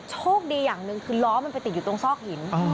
โชคดีอย่างหนึ่งคือล้อมันไปติดอยู่ตรงซอกหิน